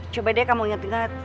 coba deh kamu ingat ingat